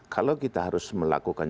kalau kita harus melakukan